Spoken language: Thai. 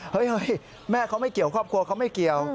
เฮ้ยแม่เขาไม่เกี่ยวครอบครัวเขาไม่เกี่ยว